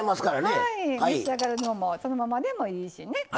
はい召し上がるのももうそのままでもいいしね。